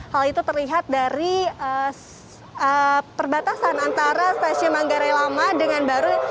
hal itu terlihat dari perbatasan antara stasiun manggarai lama dengan baru